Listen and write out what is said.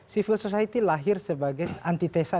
civil society lahir sebagai antitesa